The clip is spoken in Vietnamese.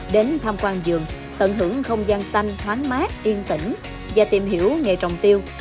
đến tham quan giường tận hưởng không gian xanh thoáng mát yên tĩnh và tìm hiểu nghề trồng tiêu